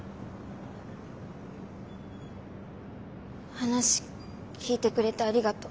話聞いてくれてありがとう。